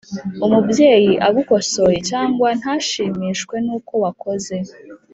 umubyeyi agukosoye cyangwa ntashimishwe n uko wakoze